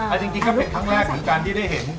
จริงก็เป็นครั้งแรกเหมือนกันที่ได้เห็น